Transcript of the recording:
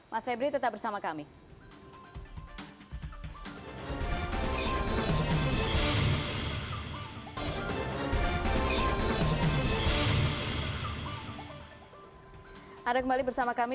mas febri tetap bersama kami